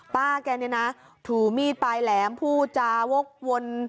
ป้าแกเนี่ยนะถูมีดปลายแหลมพูดจาวกวน